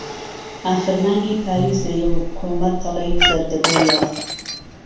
ئاخرمانگی پاییزێیه و کوڵمهت دهلێی زهردهبێيه